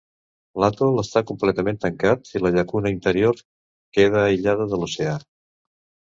L'atol està completament tancat i la llacuna interior queda aïllada de l'oceà.